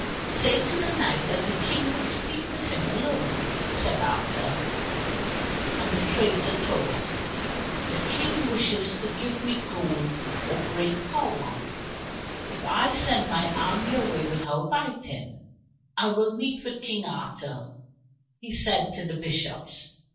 "Say to the knight that the King would speak with him alone," said Arthur. And the traitor thought, "The King wishes to give me gold or great power, if I send my army away without fighting," "I will meet King Arthur," he said to the bishops.